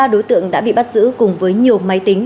hai mươi ba đối tượng đã bị bắt giữ cùng với nhiều máy tính